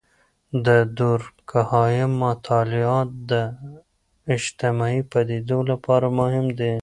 د دورکهايم مطالعات د اجتماعي پدیدو لپاره مهم دي.